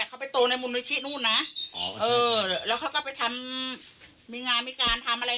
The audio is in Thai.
เขาไปโตในมูลนิธินู่นนะอ๋อเออแล้วเขาก็ไปทำมีงานมีการทำอะไร